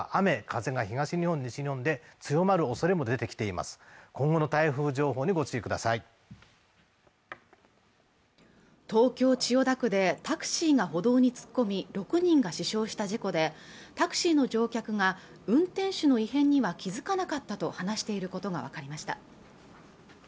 また高波も予想されていまして東京千代田区でタクシーが歩道に突っ込み６人が死傷した事故でタクシーの乗客が運転手の異変には気付かなかったと話していることが分かりました